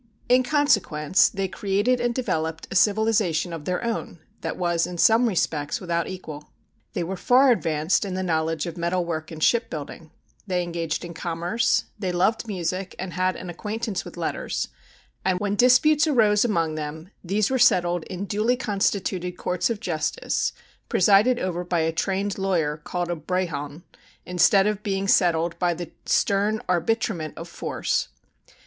In consequence they created and developed a civilization of their own that was in some respects without equal. They were far advanced in the knowledge of metal work and shipbuilding; they engaged in commerce; they loved music and had an acquaintance with letters; and when disputes arose among them, these were settled in duly constituted courts of justice, presided over by a trained lawyer, called a brehon, instead of being settled by the stern arbitrament of force.